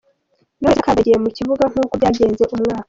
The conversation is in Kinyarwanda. Knowless ntiyakandagiye mu kibuga nkuko byagenze umwaka.